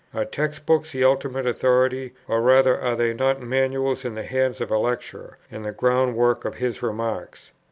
Are text books the ultimate authority, or rather are they not manuals in the hands of a lecturer, and the groundwork of his remarks?